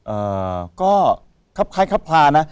เอ่อก็ครับไครครับพลานะ